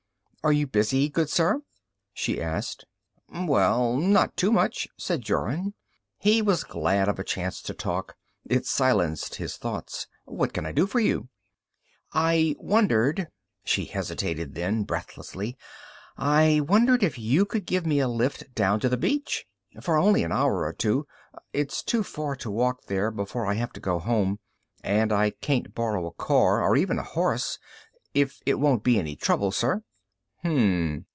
"Are you busy, good sir?" she asked. "Well, not too much," said Jorun. He was glad of a chance to talk; it silenced his thoughts. "What can I do for you?" "I wondered " She hesitated, then, breathlessly: "I wonder if you could give me a lift down to the beach? Only for an hour or two. It's too far to walk there before I have to be home, and I can't borrow a car, or even a horse. If it won't be any trouble, sir."